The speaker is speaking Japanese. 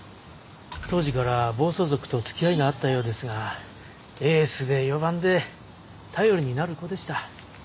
当時から暴走族とつきあいがあったようですがエースで４番で頼りになる子でした。